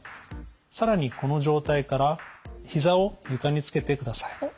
更にこの状態からひざを床につけてください。